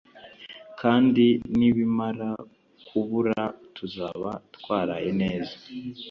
Kandi nibimara kubura tuzaba twaraye neza.